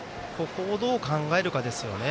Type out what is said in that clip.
ここをどう考えるかですね。